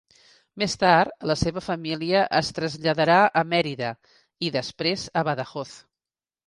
Més tard la seva família es traslladarà a Mèrida i després a Badajoz.